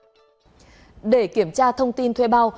người dùng có thể tự kiểm tra thông tin thuê bao